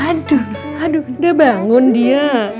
aduh aduh udah bangun dia